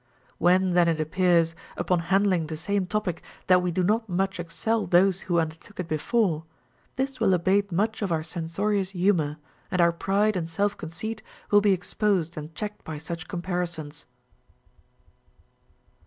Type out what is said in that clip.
When then it appears, upon handling the same topic, that we do not much excel those who undertook it before, this will abate much of our cen sorious humor, and our pride and self conceit will be ex posed and checked by such comparisons.